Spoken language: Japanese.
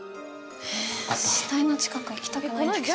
え死体の近く行きたくないんだけど。